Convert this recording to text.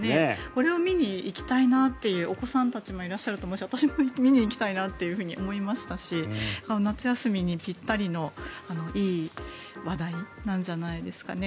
これを見に行きたいなというお子さんたちもいらっしゃると思うし私も見に行きたいなと思いましたし夏休みにぴったりのいい話題なんじゃないですかね。